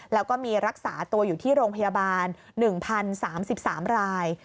แล้วก็มีรักษาตัวอยู่ที่โรงพยาบาล๑๐๓๓ราย